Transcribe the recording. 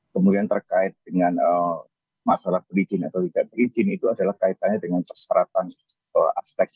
kemudian terkait dengan masalah berizin atau tidak berizin itu adalah kaitannya dengan persyaratan aspek legal dari majapahit ini